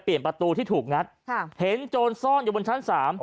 เปลี่ยนประตูที่ถูกงัดค่ะเห็นโจรซ่อนอยู่บนชั้นสามอ๋อ